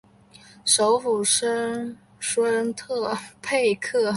首府森孙特佩克。